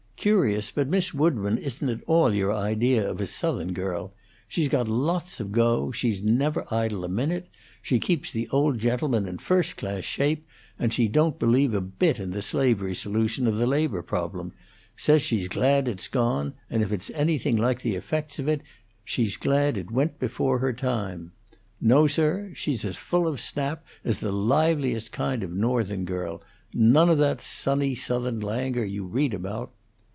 Curious, but Miss Woodburn isn't at all your idea of a Southern girl. She's got lots of go; she's never idle a minute; she keeps the old gentleman in first class shape, and she don't believe a bit in the slavery solution of the labor problem; says she's glad it's gone, and if it's anything like the effects of it, she's glad it went before her time. No, sir, she's as full of snap as the liveliest kind of a Northern girl. None of that sunny Southern languor you read about."